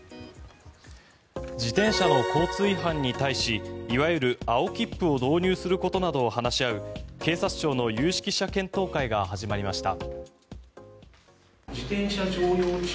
自転車の交通違反に対しいわゆる青切符を導入することなどを話し合う警察庁の有識者検討会が始まりました。